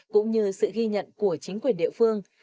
cũng như sự ghi nhận của chính quyền địa phương